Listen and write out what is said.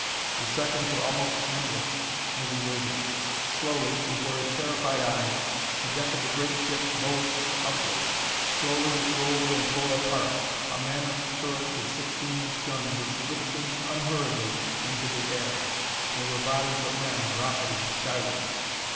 The seconds were almost endless as he waited. Slowly, before his terrified eyes, the deck of the great ship bulged upward ... slowly it rolled and tore apart ... a mammoth turret with sixteen inch guns was lifting unhurriedly into the air ... there were bodies of men rocketing skyward....